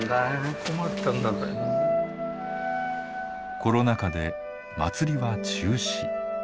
コロナ禍で祭りは中止。